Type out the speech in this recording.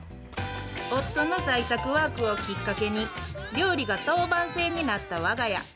夫の在宅ワークをきっかけに、料理が当番制になったわが家。